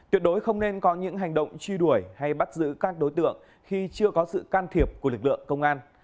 tuyệt đối không nên có những hành động truy đuổi hay bắt giữ các đối tượng khi chưa có sự can thiệp của lực lượng công an